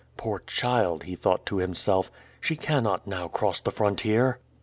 "Poor child!" he thought to himself. "She cannot now cross the frontier."